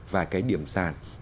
và cái điểm sàn